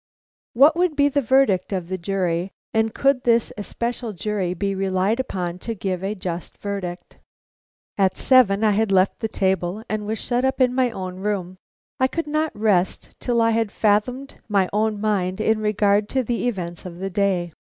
What would be the verdict of the jury, and could this especial jury be relied upon to give a just verdict? At seven I had left the table and was shut up in my own room. I could not rest till I had fathomed my own mind in regard to the events of the day.